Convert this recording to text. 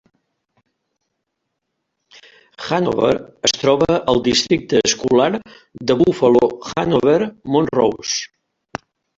Hannover es troba al districte escolar de Buffalo-Hanover-Montrose.